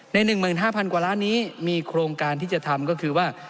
๑๕๐๐กว่าล้านนี้มีโครงการที่จะทำก็คือว่า